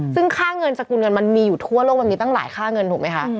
ซึ่งค่าเงินสกุลเงินมันมีอยู่ทั่วโลกมันมีตั้งหลายค่าเงินถูกไหมคะ